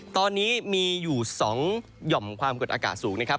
ตอนนี้มีอยู่๒หย่อมความกดอากาศสูงนะครับ